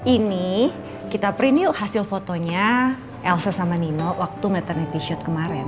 ini kita print yuk hasil fotonya elsa sama nino waktu ngeternyet t shirt kemaren